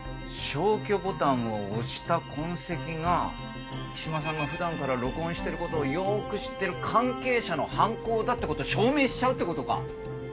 消去ボタンを押した痕跡が木嶋さんが普段から録音してることをよく知ってる関係者の犯行だってことを証明しちゃうってことか。